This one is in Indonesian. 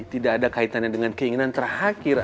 tidak ada kaitannya dengan keinginan terakhir